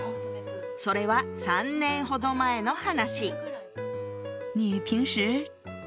それは３年ほど前の話。